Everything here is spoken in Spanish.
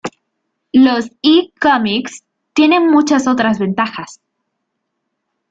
Los e-comics tienen muchas otras ventajas.